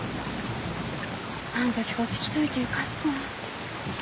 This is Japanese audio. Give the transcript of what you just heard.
あん時こっち来といてよかったぁ。